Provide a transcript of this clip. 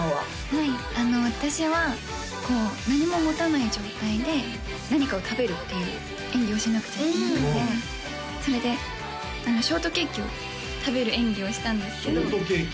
はい私は何も持たない状態で何かを食べるっていう演技をしなくちゃいけなくてそれでショートケーキを食べる演技をしたんですけどショートケーキ？